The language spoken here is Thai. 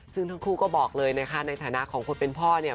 ซึ่งทั้งคู่ก็บอกเลยนะคะในฐานะของคนเป็นพ่อเนี่ย